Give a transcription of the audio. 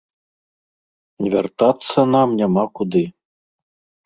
Вяртацца нам няма куды.